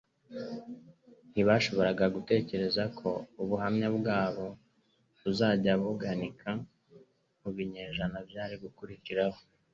ntibashobora gutekereza ko ubuhamya bwabo buzajya buganika mu binyejana byari gukurikiraho.